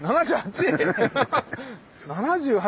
７８！